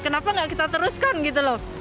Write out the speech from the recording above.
kenapa nggak kita teruskan gitu loh